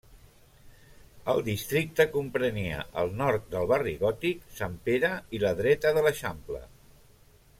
El districte comprenia el nord del Barri Gòtic, Sant Pere i la Dreta de l'Eixample.